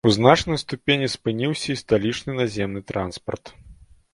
У значнай ступені спыніўся і сталічны наземны транспарт.